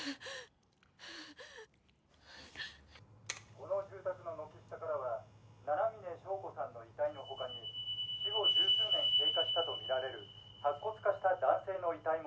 この住宅の軒下からは七峰承子さんの遺体の他に死後十数年経過したとみられる白骨化した男性の遺体も発見されました。